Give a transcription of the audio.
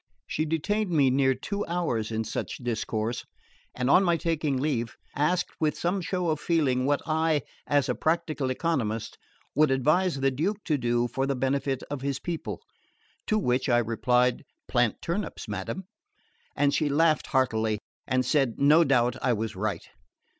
She detained me near two hours in such discourse, and on my taking leave asked with some show of feeling what I, as a practical economist, would advise the Duke to do for the benefit of his people; to which I replied, "Plant turnips, madam!" and she laughed heartily, and said no doubt I was right.